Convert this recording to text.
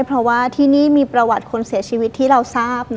เพราะว่าที่นี่มีประวัติคนเสียชีวิตที่เราทราบ